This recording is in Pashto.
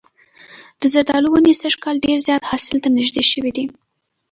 د زردالو ونې سږ کال ډېر زیات حاصل ته نږدې شوي دي.